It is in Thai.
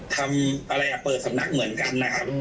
ทำอะไรอ่ะเปิดสำนักเหมือนกันนะครับ